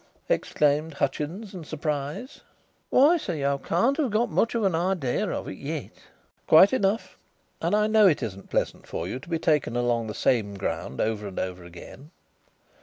exclaimed Hutchins in surprise. "Why, sir, you can't have got much idea of it yet." "Quite enough. And I know it isn't pleasant for you to be taken along the same ground over and over again."